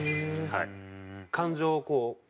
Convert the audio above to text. はい。